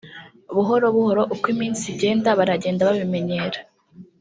buhoro buhoro uko iminsi igenda baragenda babimenyera